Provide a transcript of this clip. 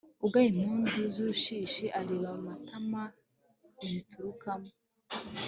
ugaya impundu z'urushishi, areba amatama ziturukamo